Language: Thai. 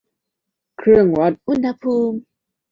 เครื่องวัดอุณหภูมิ